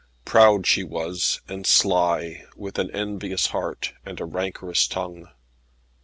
Proud she was, and sly, with an envious heart, and a rancorous tongue.